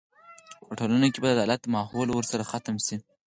په ټولنه کې به د عدالت ماحول ورسره ختم شي.